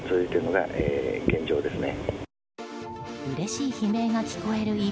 うれしい悲鳴が聞こえる